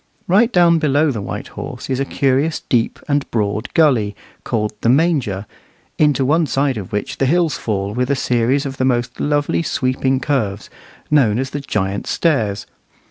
Right down below the White Horse is a curious deep and broad gully called "the Manger," into one side of which the hills fall with a series of the most lovely sweeping curves, known as "the Giant's Stairs."